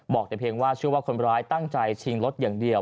บอกแต่เพียงว่าเชื่อว่าคนร้ายตั้งใจชิงรถอย่างเดียว